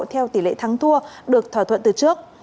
theo tỷ lệ thắng thua được thỏa thuận từ trước